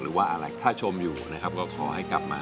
หรือว่าถ้าชมอยู่ก็ขอให้กลับมา